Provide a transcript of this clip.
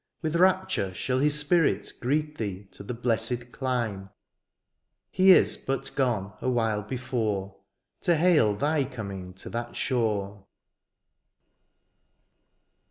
With rapture shall his spirit greet Thee to the blessed clime; He is but gone a while before To hail thy coming to that shore